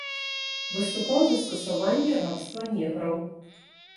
Выступаў за скасаванне рабства неграў.